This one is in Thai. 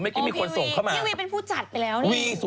พี่วีเป็นผู้จัดไปแล้วนี่